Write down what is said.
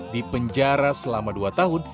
dipenjara selama dua tahun